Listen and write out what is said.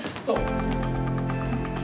そう。